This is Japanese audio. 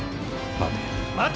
待て。